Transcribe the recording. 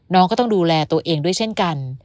น้องก็ต้องดูแลตัวเองด้วยเช่นกัน